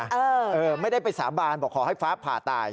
เออไม่ได้ไปสาบานบอกขอให้ฟ้าผ่าตาย